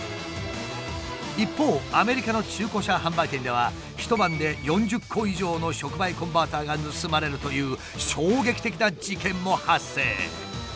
一方アメリカの中古車販売店では一晩で４０個以上の触媒コンバーターが盗まれるという衝撃的な事件も発生。